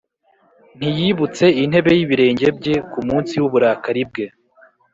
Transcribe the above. ntiyibutse intebe y’ibirenge bye, Ku munsi w’uburakari bwe.